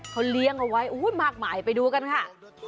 เขาเลี้ยงเอาไว้มากมายไปดูกันค่ะ